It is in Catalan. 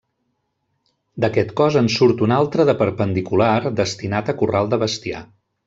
D'aquest cos en surt un altre de perpendicular destinat a corral de bestiar.